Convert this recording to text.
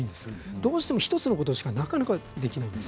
どうしても１つのことしかなかなかできないんです。